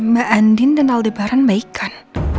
mbak andin dan aldebaran baikan